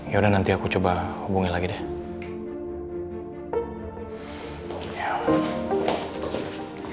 yaudah nanti aku coba hubungin lagi deh